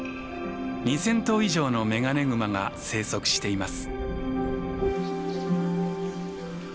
２，０００頭以上のメガネグマが生息しています。